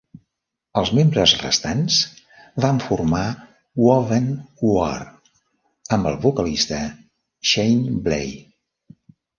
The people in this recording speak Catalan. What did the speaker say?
Els membres restants van formar "Wovenwar" amb el vocalista Shane Blay.